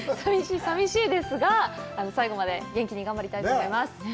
さみしいですが、最後まで元気に頑張りたいと思います！